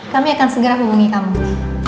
kami akan segera hubungi kami